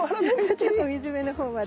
ちょっと水辺のほうまで。